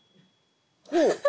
ほう！